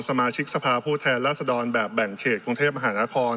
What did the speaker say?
สมาชิกสภาพผู้แทนรัศดรแบบแบ่งเขตกรุงเทพมหานคร